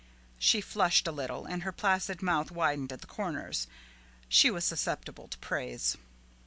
She flushed a little, and her placid mouth widened at the corners. She was susceptible to praise.